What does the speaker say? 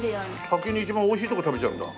先に一番美味しいとこ食べちゃうんだ。